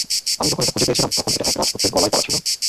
আমি যখন এটা খুঁজে পেয়েছিলাম, তখন এটা এক রাজপুত্রের গলায় পরা ছিল।